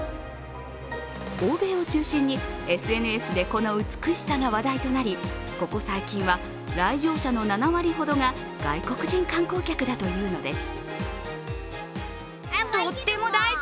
欧米を中心にＳＮＳでこの美しさが話題となり、ここ最近は、来場者の７割ほどが外国人観光客だというのです。